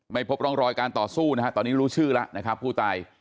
พบร่องรอยการต่อสู้นะฮะตอนนี้รู้ชื่อแล้วนะครับผู้ตาย